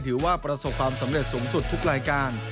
ถือว่าประสบความสำเร็จสูงสุดทุกรายการ